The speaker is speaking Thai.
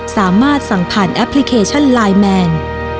สามารถสั่งผ่านแอปพลิเคชันไลน์แมน